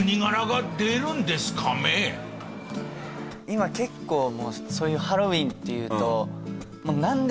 今結構そういうハロウィーンっていうと。